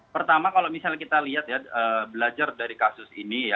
pertama kalau misalnya kita lihat ya belajar dari kasus ini ya